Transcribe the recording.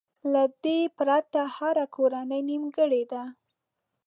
له دې پرته هره کورنۍ نيمګړې ده.